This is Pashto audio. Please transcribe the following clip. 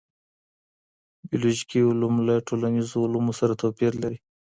بیولوژيکي علوم له ټولنیزو علومو سره توپیر لري.